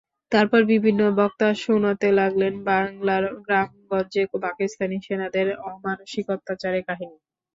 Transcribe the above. তারপর বিভিন্ন বক্তা শোনাতে লাগলেন বাংলার গ্রামগঞ্জে পাকিস্তানি সেনাদের অমানুষিক অত্যাচারের কাহিনি।